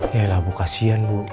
yaelah bu kasihan bu